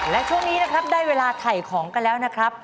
และช่วงนี้นะครับได้เวลาถ่ายของกันแล้วนะครับ